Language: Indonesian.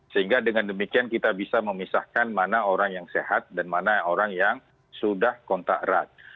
sehingga dengan demikian kita bisa memisahkan mana orang yang sehat dan mana orang yang sudah kontak erat